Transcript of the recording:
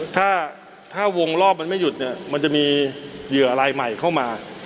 ถ้าถ้าวงรอบมันไม่หยุดเนี่ยมันจะมีเหยื่ออะไรใหม่เข้ามา